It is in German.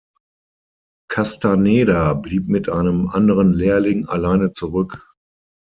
Castaneda blieb mit einem anderen Lehrling alleine zurück.